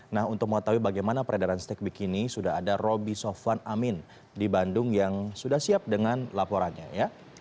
nah untuk mau tahu bagaimana peredaran snack bikini sudah ada roby sofan amin di bandung yang sudah siap dengan laporannya